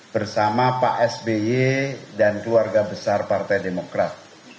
bersama pak sby dan keluarga besar partai demokrat